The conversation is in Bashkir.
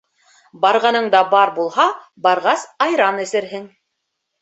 Барғанында бар булһа, барғас, айран эсерһең.